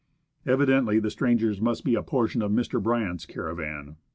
Evidently the strangers must be a portion of Mr. Bryant's caravan.